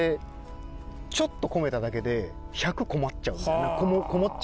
ちょっとこめただけで１００こもっちゃうみたいな。